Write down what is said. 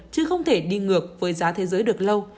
chứ không thể đi ngược với giá thế giới được lâu